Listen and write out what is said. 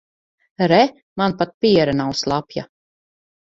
Re, man pat piere nav slapja.